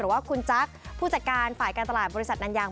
ว่าคุณจักรผู้จัดการฝ่ายการตลาดบริษัทนันยาง